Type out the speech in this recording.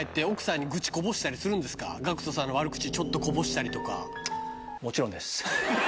ＧＡＣＫＴさんの悪口ちょっとこぼしたりとか。